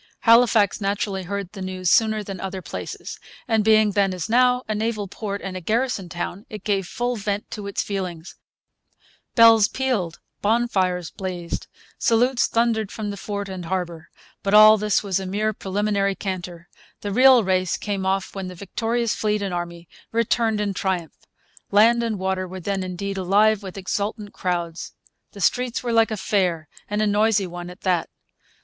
Halifax naturally heard the news sooner than other places; and being then, as now, a naval port and a garrison town, it gave full vent to its feelings. Bells pealed. Bonfires blazed. Salutes thundered from the fort and harbour. But all this was a mere preliminary canter. The real race came off when the victorious fleet and army returned in triumph. Land and water were then indeed alive with exultant crowds. The streets were like a fair, and a noisy one at that.